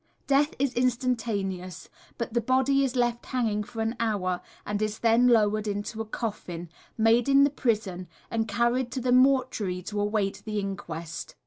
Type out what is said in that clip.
Death is instantaneous, but the body is left hanging for an hour, and is then lowered into a coffin, made in the prison, and carried to the mortuary to await the inquest.